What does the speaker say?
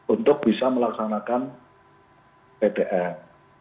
untuk bisa melaksanakan pdm